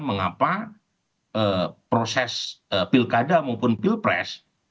mengapa proses pilkada maupun pilpres